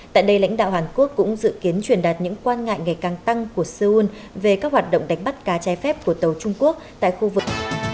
tại đây lãnh đạo hàn quốc cũng dự kiến truyền đạt những quan ngại ngày càng tăng của seoul về các hoạt động đánh bắt cá trái phép của tàu trung quốc tại khu vực